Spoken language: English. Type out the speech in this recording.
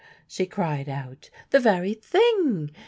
she cried out, "the very thing.